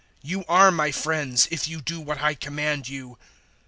015:014 You are my friends, if you do what I command you.